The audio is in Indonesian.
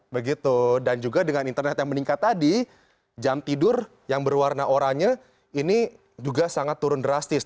begitu dan juga dengan internet yang meningkat tadi jam tidur yang berwarna oranye ini juga sangat turun drastis